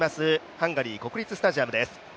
ハンガリー国立スタジアムです。